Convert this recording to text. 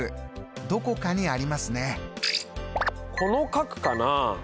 どこかにありますね。